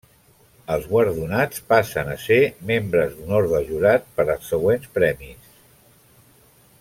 Els guardonats passen a ser membres d'honor del jurat per als següents premis.